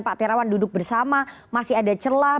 pak terawan duduk bersama masih ada celah